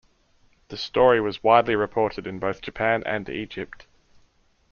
The story was widely reported in both Japan and Egypt.